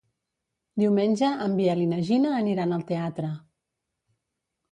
Diumenge en Biel i na Gina aniran al teatre.